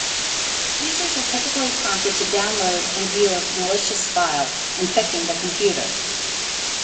Users are typically prompted to download and view a malicious file, infecting the computer.